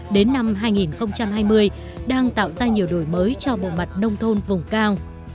đến năm hai nghìn hai mươi đang tạo ra nhiều đổi mới cho bộ mặt nông thôn vùng cao